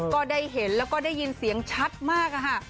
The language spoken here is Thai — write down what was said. ก็ได้เห็นและได้ยินเสียงชัดมาก